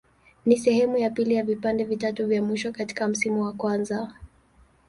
Ni sehemu ya pili ya vipande vitatu vya mwisho katika msimu wa kwanza.